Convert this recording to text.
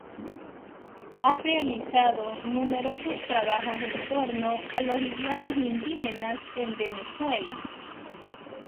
Ha realizado numerosos trabajos en torno a los idiomas indígenas en Venezuela.